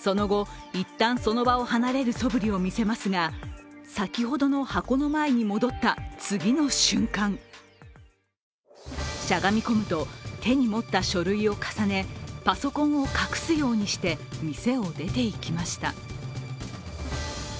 その後、一旦その場を離れるそぶりを見せますが先ほどの箱の前に戻った次の瞬間、しゃがみ込むと、手に持った書類を重ねパソコンを隠すようにして店を出ていきました。